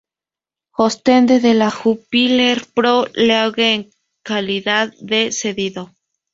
Oostende de la Jupiler Pro League en calidad de cedido.